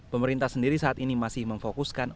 pemerintah sendiri saat ini masih memfokuskan